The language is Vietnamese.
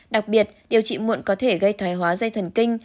đặc biệt điều trị muộn có thể gây thoái hóa dây thần kinh